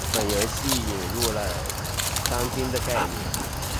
本游戏引人了将军的概念。